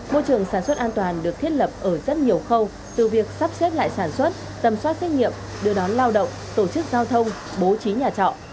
môi trường sản xuất an toàn được thiết lập ở rất nhiều khâu từ việc sắp xếp lại sản xuất tầm soát xét nghiệm đưa đón lao động tổ chức giao thông bố trí nhà trọ